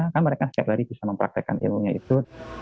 kan mereka setiap hari bisa mempraktekkan ilmunya itu